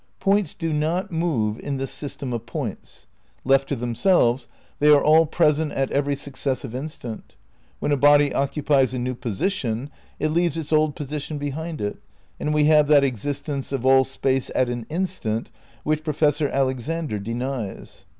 Points do not move in the si/stem of points. Left to themselves, they are all present at every successive instant; when a body occupies a new position it leaves its old position behind it, and we have that existence of "all Space at an instant" which Professor Alex ander denies.